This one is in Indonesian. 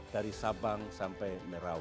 dari sabang sampai merauke